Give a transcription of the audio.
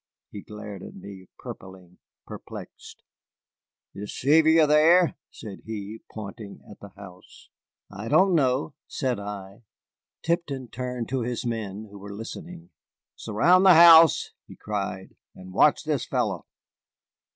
He glared at me, purpling, perplexed. "Is Sevier there?" said he, pointing at the house. "I don't know," said I. Tipton turned to his men, who were listening. "Surround the house," he cried, "and watch this fellow."